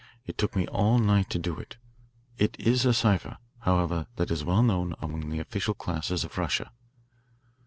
It took me all night to do it. It is a cipher, however, that is well known among the official classes of Russia.